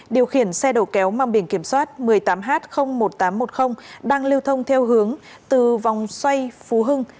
điều khiển xe đầu kéo mang biển kiểm soát một mươi tám h một nghìn tám trăm một mươi đang lưu thông theo hướng từ vòng xoay phú hưng